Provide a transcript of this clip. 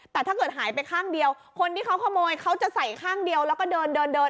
แต่ถ้าเกิดหายไปข้างเดียวคนที่เขาขโมยเขาจะใส่ข้างเดียวแล้วก็เดินเดิน